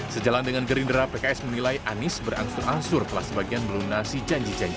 sejalan dengan gerindra pks menilai anies berangsur angsur telah sebagian melunasi janji janji